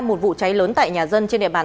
một vụ cháy lớn tại nhà dân trên địa bàn